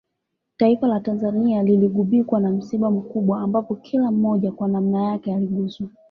Taifa la Tanzania liligubikwa na msiba mkubwa ambapo kila mmoja kwa nanma yake aliguswa